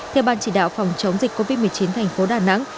theo ban chỉ đạo phòng chống dịch covid một mươi chín thành phố đà nẵng